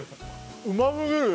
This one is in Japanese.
うますぎるよ